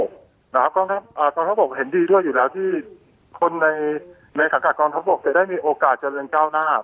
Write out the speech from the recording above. กองทัพบกเห็นดีด้วยอยู่แล้วที่คนในสังกัดกองทัพบกจะได้มีโอกาสเจริญก้าวหน้า